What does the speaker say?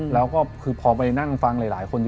แล้วก็คือพอไปนั่งฟังหลายคน